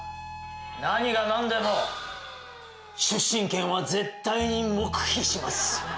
何が何でも出身県は絶対に黙秘します！